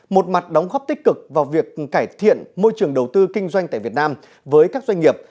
một mặt đóng góp tích cực vào việc cải thiện môi trường đầu tư kinh doanh tại việt nam với các doanh nghiệp